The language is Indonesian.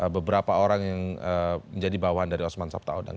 beberapa orang yang menjadi bawaan dari osman sabtaodang